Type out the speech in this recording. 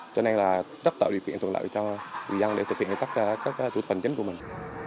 cho nên là rất tạo điều kiện thuận lợi cho người dân để thực hiện tất cả các thủ tục hành chính của mình